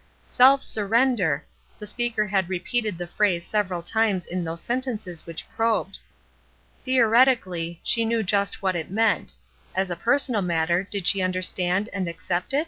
''Self surrender,'' the speaker had repeated the phrase several times in those sentences which probed. Theoretically, she knew just what it meant; as a personal matter did she under stand and accept it?